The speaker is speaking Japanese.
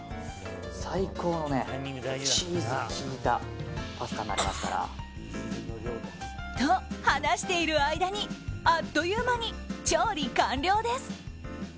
最高のね、チーズが効いたパスタになりますから。と、話している間にあっという間に調理完了です。